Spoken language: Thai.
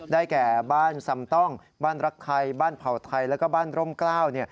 แก่บ้านสำต้องบ้านรักไทยบ้านเผ่าไทยแล้วก็บ้านร่มกล้าว